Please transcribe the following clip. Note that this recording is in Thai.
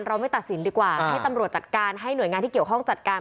ไม่ตัดสินดีกว่าให้ตำรวจจัดการให้หน่วยงานที่เกี่ยวข้องจัดการ